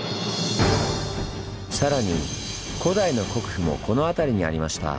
さらに古代の国府もこの辺りにありました。